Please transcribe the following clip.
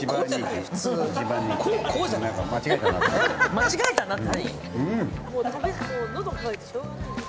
間違えたなって。